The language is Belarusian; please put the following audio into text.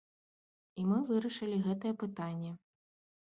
І мы вырашылі гэтае пытанне.